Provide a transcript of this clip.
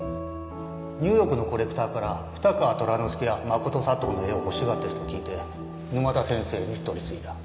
ニューヨークのコレクターから二川寅之助やマコト佐藤の絵を欲しがってると聞いて沼田先生に取り次いだ。